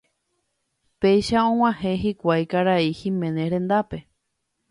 Péicha og̃uahẽ hikuái karai Giménez rendápe.